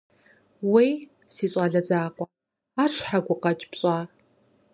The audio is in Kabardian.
Уей, си щӀалэ закъуэ, ар щхьэ гукъэкӀ пщӀа?